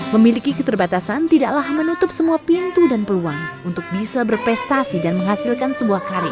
memiliki keterbatasan tidaklah menutup semua pintu dan peluang untuk bisa berprestasi dan menghasilkan sebuah karya